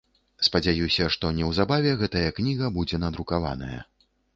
Спадзяюся, што неўзабаве гэтая кніга будзе надрукаваная.